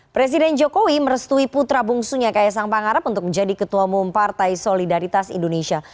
presiden jokowi merestui putra bungsunya ks angpangarap untuk menjadi ketua mempartai solidaritas indonesia